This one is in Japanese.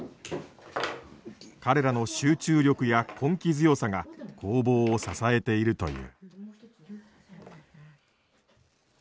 彼らの集中力や根気強さが工房を支えているという。